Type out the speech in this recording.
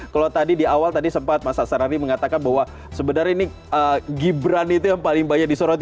kalau tadi di awal tadi sempat mas sasarari mengatakan bahwa sebenarnya ini gibran itu yang paling banyak disoroti